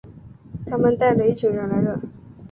他们带了一群人来了